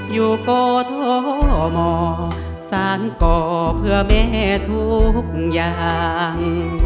อยู่กทมสารก่อเพื่อแม่ทุกอย่าง